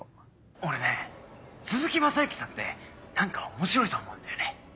俺ね鈴木雅之さんって何か面白いと思うんだよね。